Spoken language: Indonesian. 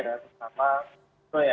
dampak yang dampak multiplier ya